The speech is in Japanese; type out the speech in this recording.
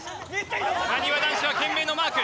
なにわ男子は懸命のマーク。